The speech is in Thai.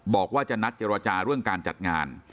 บอกว่าจะนัดเจรจาเรื่องการจัดงาน